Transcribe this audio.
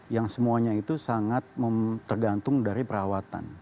yang semuanya itu sangat tergantung dari perawatan